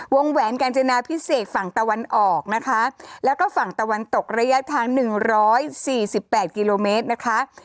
แหวนกาญจนาพิเศษฝั่งตะวันออกนะคะแล้วก็ฝั่งตะวันตกระยะทาง๑๔๘กิโลเมตรนะคะ